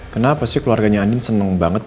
kenapa sih keluarganya andien seneng banget